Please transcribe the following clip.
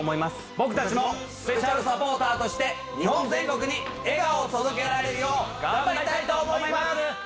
僕たちもスペシャルサポーターとして日本全国に笑顔を届けられるよう頑張りたいと思います！